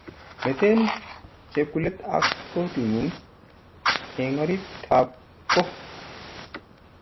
Mete chepkulet ak koti ngung eng orit ab ko